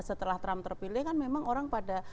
setelah trump terpilih kan memang orang pada